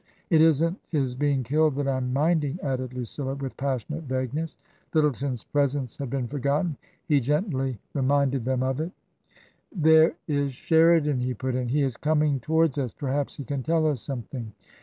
" It isn't his being killed that I'm minding," added Lucilla, with passionate vagueness. Lyttleton's presence had been forgotten. He gently reminded them of it. l^ TRANSITION. " There fa Sheridan," he put in ;" he is coming to wards us. Perhaps he can tell us something."